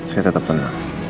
saya tetap tenang